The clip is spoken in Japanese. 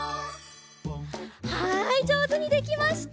はいじょうずにできました！